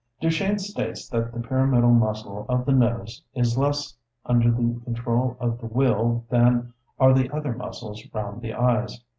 Duchenne states that the pyramidal muscle of the nose is less under the control of the will than are the other muscles round the eyes.